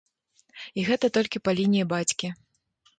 І гэта толькі па лініі бацькі.